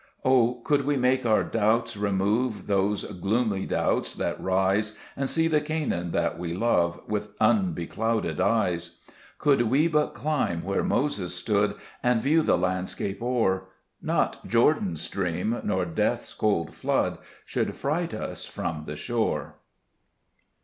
5 O could we make our doubts remove, Those gloomy doubts that rise, And see the Canaan that we love With unbeclouded eyes ; 6 Could we but climb where Moses stood, And view the landscape o'er, Not Jordan's stream, nor death's cold flood, Should fright us from the shore.